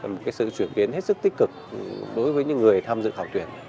một sự chuyển biến hết sức tích cực đối với những người tham dự khảo tuyển